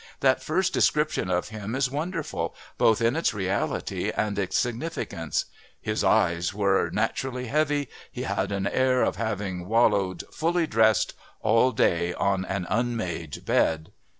That first description of him is wonderful, both in its reality and its significance. "His eyes were naturally heavy, he had an air of having wallowed, fully dressed, all day on an unmade bed."